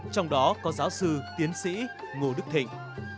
trong đó có giáo sư tiến sĩ ngô đức thịnh